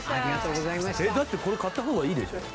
だってこれ買った方がいいでしょ？